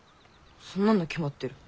そんなの決まってる。